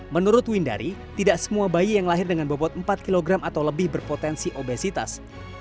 menurut windari tidak semua bayi yang lahir dengan bobot empat kg atau lebih berpotensi obesitas